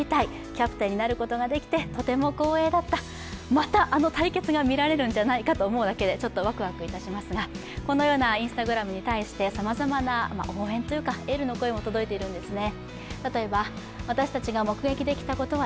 また、あの対決が見られるんじゃないかと思うだけで、ちょっとワクワクいたしますがこのようなＩｎｓｔａｇｒａｍに対して応援というかエールの声も届いているんですね。